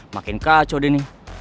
makin kacau deh nih